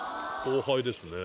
後輩ですね。